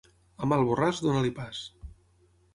A mal borràs, dona-li pas.